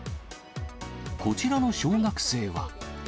こちらの小学生は。